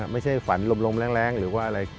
ไม่ใช่ฝันลมแรงหรือว่าอะไร